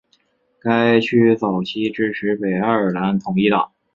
该区早期支持北爱尔兰统一党。